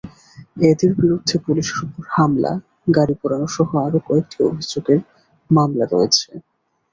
এদের বিরুদ্ধে পুলিশের ওপর হামলা, গাড়ি পোড়ানোসহ আরও কয়েকটি অভিযোগে মামলা রয়েছে।